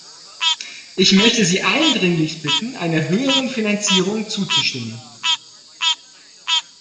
Ich möchte Sie eindringlich bitten, einer höheren Finanzierung zuzustimmen.